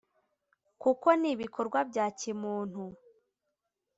kuko ni ibikorwa bya kimuntu